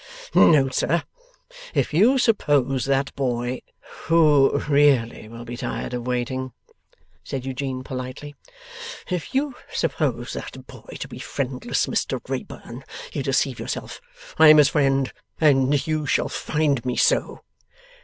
'No, sir. If you suppose that boy ' 'Who really will be tired of waiting,' said Eugene, politely. 'If you suppose that boy to be friendless, Mr Wrayburn, you deceive yourself. I am his friend, and you shall find me so.